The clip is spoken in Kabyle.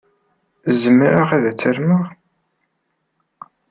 Zemreɣ ad t-armeɣ?